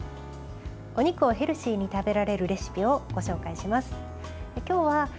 お肉をヘルシーに食べられるレシピをご紹介します。